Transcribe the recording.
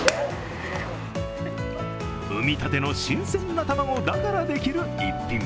産みたての新鮮な卵だからできる逸品。